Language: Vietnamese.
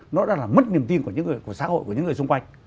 nó đã là mất niềm tin của xã hội của những người xung quanh